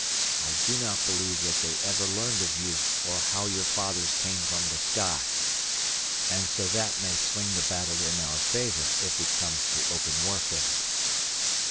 I do not believe that they ever learned of you or how your fathers came from the sky. And so that may swing the battle in our favor if it comes to open warfare."